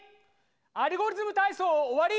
「アルゴリズムたいそう」おわり！